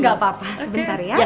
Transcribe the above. gak apa apa sebentar ya